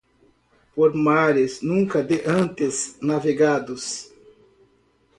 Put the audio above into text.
Por mares nunca de antes navegados